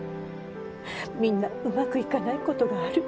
みんなうまくいかないことがある。